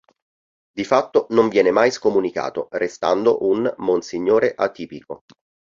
Di fatto non viene mai scomunicato, restando un "monsignore atipico".